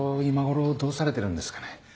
今頃どうされてるんですかね？